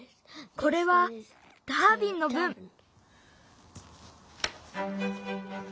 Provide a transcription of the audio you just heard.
これはダービンのぶん。